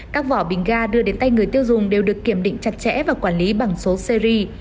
các vỏ bình ga đưa đến tay người tiêu dùng đều được kiểm định chặt chẽ và quản lý bằng số series